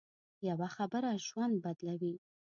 یوه خبره ژوند بدلوي